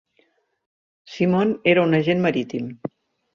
Simon era un agent marítim.